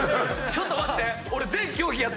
ちょっと待って！